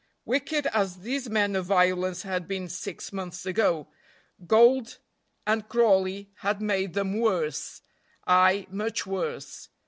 Wicked as these men of violence had been six months ago, gold and Crawley had made them worse, ay, much worse.